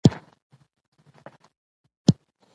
رڼې اوښکې يو ځل بيا د هغې د سترګو مېلمنې شوې.